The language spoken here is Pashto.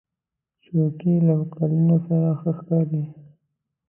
چوکۍ له قالینو سره ښه ښکاري.